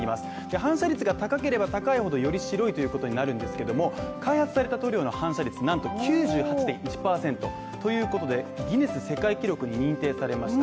反射率が高ければ高いほど、より白いということになるんですが開発された塗料の反射率なんと９８．１％。ということでギネス世界記録に認定されました。